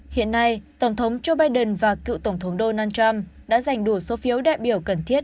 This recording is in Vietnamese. hiện nay tổng thống joe biden và cựu tổng thống donald trump đã giành đủ số phiếu đại biểu cần thiết